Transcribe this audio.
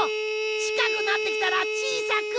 ちかくなってきたらちいさく。